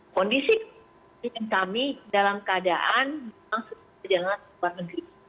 kondisi yang kami dalam keadaan maksudnya kita jalan ke luar negeri